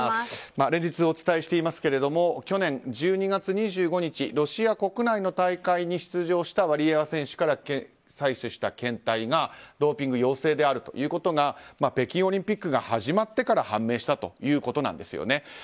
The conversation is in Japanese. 連日お伝えしていますけれども去年１２月２５日ロシア国内の大会に出場したワリエワ選手から採取した検体がドーピング陽性であることが北京オリンピックが始まってから判明したということなんです。